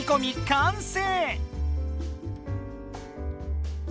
完成！